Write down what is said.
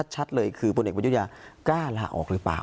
ชัดเลยคือคนเด็กประยุทธทร์จันทร์กล้าละเอาออกหรือเปล่า